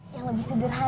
yang lebih sederhana